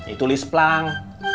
itu list pelang